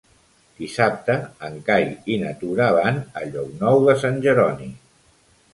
Dissabte en Cai i na Tura van a Llocnou de Sant Jeroni.